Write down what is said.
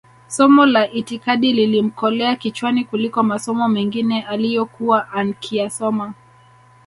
somo la itikadi lilimkolea kichwani kuliko masomo mengine aliyokuwa ankiyasoma